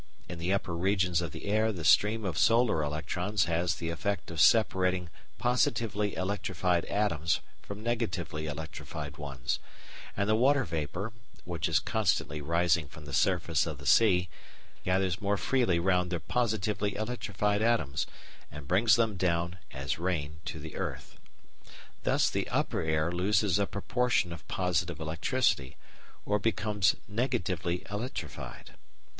In the upper regions of the air the stream of solar electrons has the effect of separating positively electrified atoms from negatively electrified ones, and the water vapour, which is constantly rising from the surface of the sea, gathers more freely round the positively electrified atoms, and brings them down, as rain, to the earth. Thus the upper air loses a proportion of positive electricity, or becomes "negatively electrified."